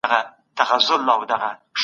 د ملا درد لپاره نرم تمرين وکړه